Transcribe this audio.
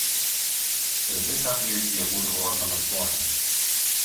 Retais atvejais jie būdavo ornamentuoti.